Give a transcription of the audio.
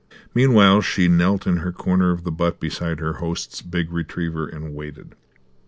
Meanwhile she knelt in her corner of the butt beside her host's big retriever, and waited.